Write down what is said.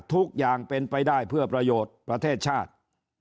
ทุกอย่างเป็นไปได้เพื่อประโยชน์ประเทศชาติ